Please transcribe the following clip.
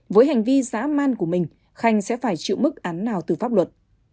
với hành vi giã man của mình khanh sẽ phải chịu mức án nào từ pháp luật